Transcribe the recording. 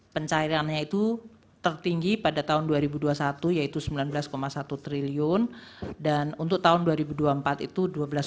pencairannya itu tertinggi pada tahun dua ribu dua puluh satu yaitu rp sembilan belas satu triliun dan untuk tahun dua ribu dua puluh empat itu dua belas empat puluh